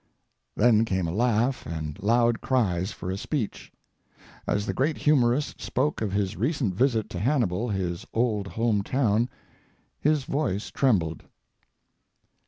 [Then came a laugh and loud cries for a speech. As the great humorist spoke of his recent visit to Hannibal, his old home, his voice trembled.